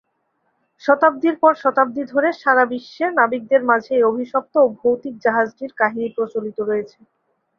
শতাব্দীর পর শতাব্দী ধরে সাড়া বিশ্বে নাবিকদের মাঝে এই অভিশপ্ত ও ভৌতিক জাহাজটির কাহিনী প্রচলিত রয়েছে।